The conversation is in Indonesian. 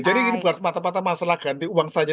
jadi ini bukan mata mata masalah ganti uang saja